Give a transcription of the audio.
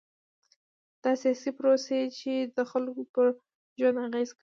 دا سیاسي پروسې دي چې د خلکو پر ژوند اغېز کوي.